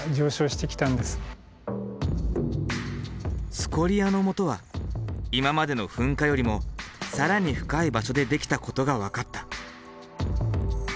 スコリアのもとは今までの噴火よりも更に深い場所でできたことが分かった。